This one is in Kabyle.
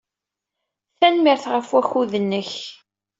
Tanemmirt ɣef wakud-nnek.